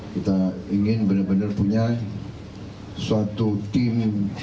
kita ingin benar benar punya suatu tim